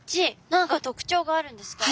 何か特徴があるんですか？